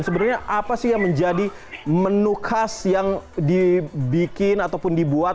sebenarnya apa sih yang menjadi menu khas yang dibikin ataupun dibuat